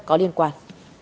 có liên quan